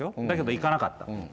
だけど行かなかった。